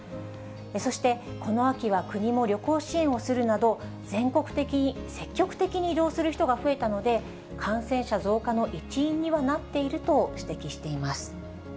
そして、この秋は国も旅行支援をするなど、全国的に積極的に移動する人が増えたので、感染者増加の一因にはなっていると指摘しています。